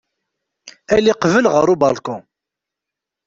Ali qbel ɣer ubalku.